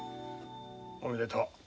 おめでとう。